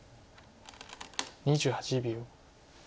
２８秒。